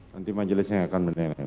nanti majelisnya akan menilai